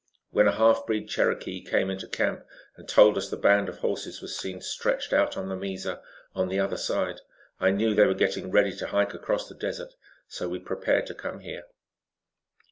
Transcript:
When a halfbreed Cherokee came into camp and told us the band of horses was seen stretched out on the mesa on the other side, I knew they were getting ready to hike across the desert, so we prepared to come here."